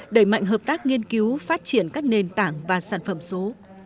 đẩy mạnh hợp tác nghiên cứu phát triển các nền tảng và sản phẩm số